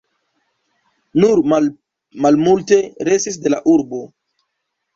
Nur malmulte restis de la urbo.